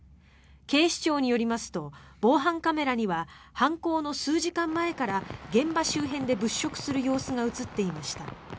警視庁によりますと防犯カメラには犯行の数時間前から現場周辺で物色する様子が映っていました。